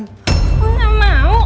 gue gak mau